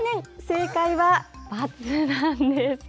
正解は×なんです。